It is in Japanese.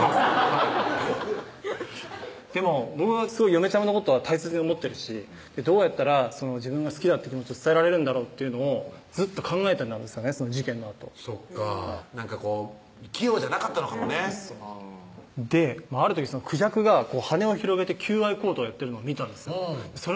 はいでも僕すごい嫁ちゃまのことは大切に思ってるしどうやったら自分が好きだっていう気持ちを伝えられるんだろうっていうのをずっと考えてたんです事件のあとそっか器用じゃなかったのかもねある時クジャクが羽を広げて求愛行動をやっているのを見たんですそれ